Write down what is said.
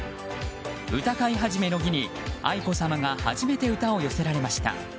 歌会始の儀に愛子さまが初めて歌を寄せられました。